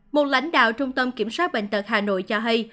một lãnh đạo trung tâm kiểm soát bệnh tật hà nội cho hay